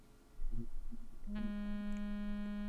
তিনি প্রুসিয়ান অধিবেশনএ যোগদান করেন।